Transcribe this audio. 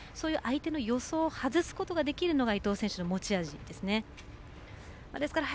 相手の予想を外すことができるのが伊藤選手の持ち味です。